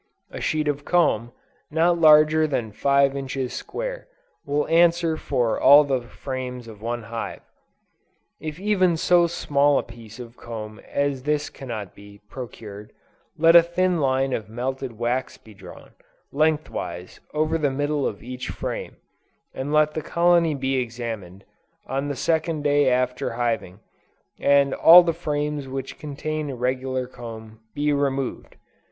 A sheet of comb, not larger than five inches square, will answer for all the frames of one hive. If even so small a piece of comb as this cannot be procured, let a thin line of melted wax be drawn, lengthwise, over the middle of each frame, and let the colony be examined, on the second day after hiving, and all the frames which contain irregular comb, be removed.